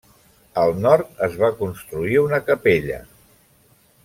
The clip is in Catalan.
Al nord es va construir una capella.